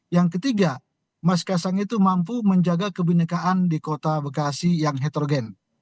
yang ketiga mas kaisang itu mampu menjaga kebenekaan di kota bekasi yang heterogen